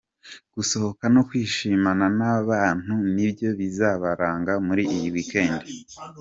Gusohoka no kwishimana n’aba bantu nibyo bizabaranga muri iyi weekend.